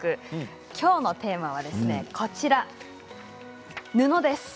きょうのテーマは布です。